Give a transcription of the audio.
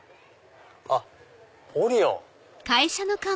あっオリオン。